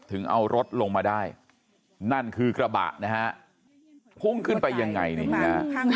ถึงเอารถลงมาได้นั่นคือกระบะนะฮะพุ่งขึ้นไปยังไงนี่ฮะ